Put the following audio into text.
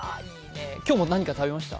今日も何か食べました？